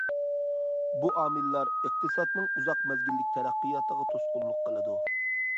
بۇ ئامىللار ئىقتىسادنىڭ ئۇزاق مەزگىللىك تەرەققىياتىغا توسقۇنلۇق قىلىدۇ.